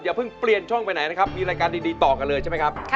เพิ่งเปลี่ยนช่องไปไหนนะครับมีรายการดีต่อกันเลยใช่ไหมครับ